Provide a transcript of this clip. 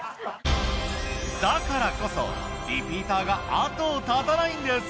だからこそリピーターが後を絶たないんです！